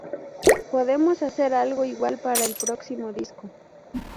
Podemos hacer algo igual para el próximo disco.